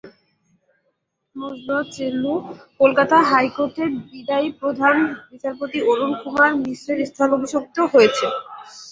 মঞ্জুলা চেল্লুর কলকাতা হাইকোর্টের বিদায়ী প্রধান বিচারপতি অরুণ কুমার মিশ্রর স্থলাভিষিক্ত হয়েছেন।